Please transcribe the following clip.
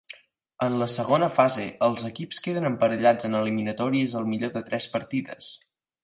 En la segona fase els equips queden emparellats en eliminatòries al millor de tres partides.